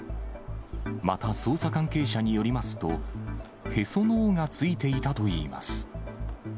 また捜査関係者によりますと、へその緒がついていたといいます。